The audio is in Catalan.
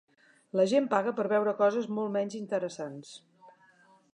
La gent paga per veure coses molt menys interessants.